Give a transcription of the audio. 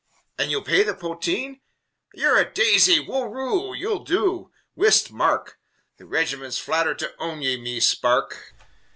And ye'll pay the potheen? Ye're a daisy! Whurroo! You'll do! Whist! Mark! The Rigiment's flatthered to own ye, me spark!"